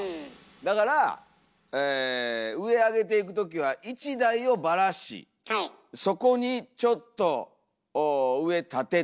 だからえ上あげていく時は１台をばらしそこにちょっと上たてて。